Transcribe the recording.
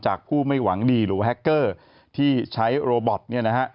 ผู้ไม่หวังดีหรือแฮคเกอร์ที่ใช้โรบอตเนี่ยนะฮะ